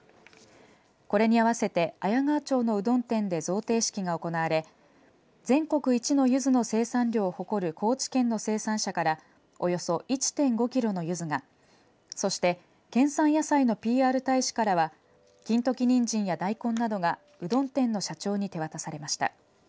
これに合わせて綾川町のうどん店で贈呈式が行われ全国一の、ゆずの生産量を誇る高知県の生産者からおよそ１．５キロのゆずがそして県産野菜のＰＲ大使からは金時にんじんや大根などがうどん店の社長に手渡されました。